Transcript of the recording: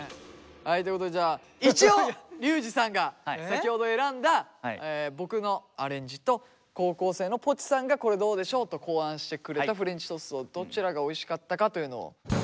はいということでじゃあ一応リュウジさんが先ほど選んだ僕のアレンジと高校生のぽちさんがこれどうでしょうと考案してくれたフレンチトーストどちらがおいしかったかというのを。